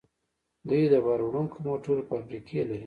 دوی د بار وړونکو موټرو فابریکې لري.